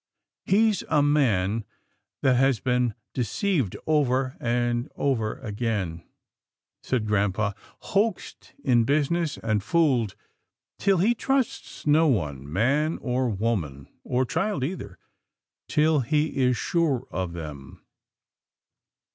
" He's a man that has been deceived over and over again," said grampa. " Hoaxed in business, and fooled till he trusts no one, man, or woman, or child either, till he is sure of them."